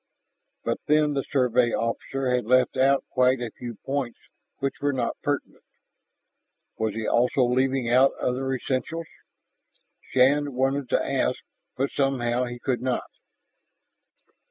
But then the Survey officer had left out quite a few points which were not pertinent. Was he also leaving out other essentials? Shann wanted to ask, but somehow he could not.